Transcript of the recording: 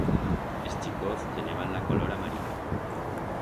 Es chicoz teneban la color amarilla.